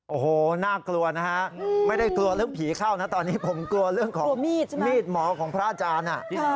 โอ้โหน่ากลัวนะฮะไม่ได้กลัวเรื่องผีเข้านะตอนนี้ผมกลัวเรื่องของมีดหมอของพระอาจารย์